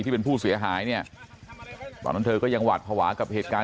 ที่เป็นผู้เสียหายเนี่ยตอนนั้นเธอก็ยังหวาดภาวะกับเหตุการณ์